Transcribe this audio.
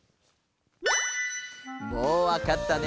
もうわかったね？